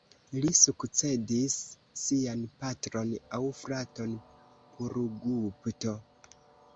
Li sukcedis sian patron aŭ fraton Purugupto.